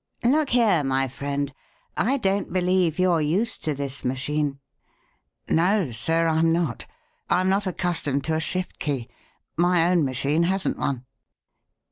Look here, my friend, I don't believe you're used to this machine." "No, sir, I'm not. I'm not accustomed to a shift key. My own machine hasn't one."